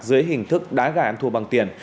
dưới hình thức đá gà thua bằng tiền